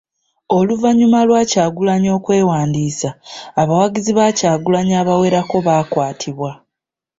Oluvannyuma lwa Kyagulanyi okwewandiisa, abawagizi ba Kyagukanyi abawerako baakwatibwa.